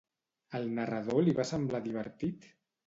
Al narrador li va semblar divertit?